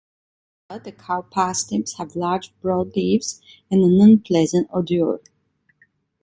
However, the cow parsnips have large, broad leaves, and an unpleasant odour.